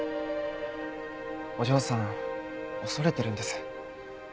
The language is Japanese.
お嬢さん恐れてるんです。